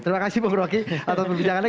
terima kasih bang rocky atas perbincangannya